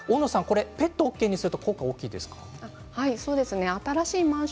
ペットをＯＫにすると大きいんですか？